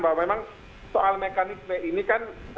bahwa memang soal mekanisme ini kan